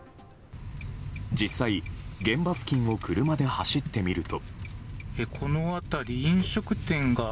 実際、現場付近を車で走ってみると。